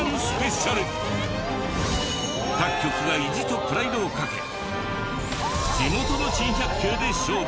各局が意地とプライドをかけ地元の珍百景で勝負。